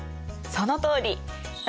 そのとおり。